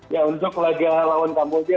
ya untuk laga lawan kamboja